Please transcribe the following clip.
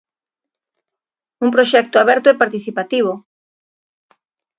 Un proxecto aberto e participativo.